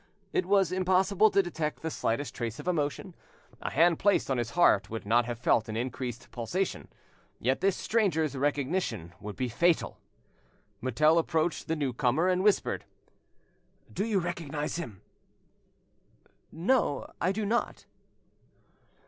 It was impossible to detect the slightest trace of emotion, a hand placed on his heart would not have felt an increased pulsation, yet this stranger's recognition would be fatal! Mutel approached the new comer and whispered— "Do you recognise him?" "No, I do not."